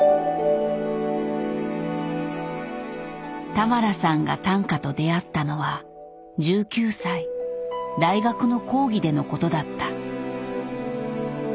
俵さんが短歌と出会ったのは１９歳大学の講義でのことだった。